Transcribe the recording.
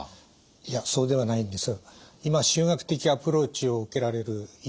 いやそうではないんです。